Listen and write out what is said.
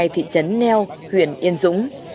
thị trấn neo huyện yên dũng